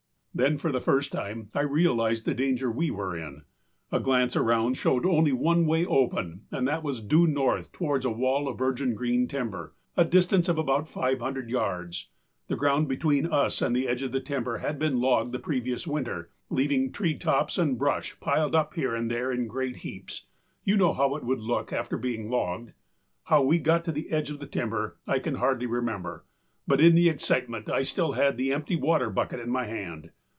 â Then for the first time I realized the danger we were in. A glance around showed only one way open and that was due north towards a wall of virgin green timber, a distance of about 500 yards. The ground between us and the edge of the timber had been logged the previous winter, leaving treetops and brush piled up here and there in great heaps you know how it would look after being logged. How we got to the edge of the timber I can hardly remember, but in the excitement I still had the empty water bucket in my hand.